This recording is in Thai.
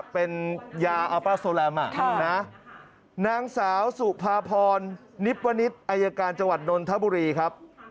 เป็นยาอัลป้าโซแรมนางสาวสุภาพรนิพวนิษฐ์อายการจังหวัดนนทบุรีครับ